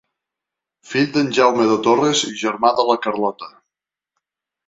Fill d’en Jaume de Torres i germà de la Carlota.